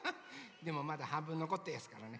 でもまだはんぶんのこってやすからね。